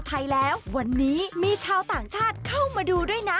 ไทยแล้ววันนี้มีชาวต่างชาติเข้ามาดูด้วยนะ